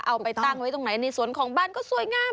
เอาไปตั้งไว้ตรงไหนในสวนของบ้านก็สวยงาม